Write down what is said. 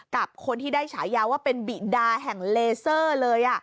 กับคนที่ได้ฉายาว่าเป็นบิดาแห่งเลเซอร์เลย